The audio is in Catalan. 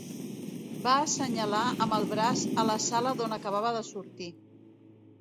Va assenyalar amb el braç a la sala d'on acabava de sortir.